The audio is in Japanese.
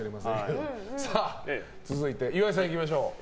続いて、岩井さんいきましょう。